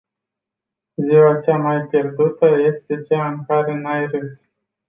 Ziua cea mai pierdută este cea în care n-ai râs.